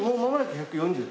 １４０年。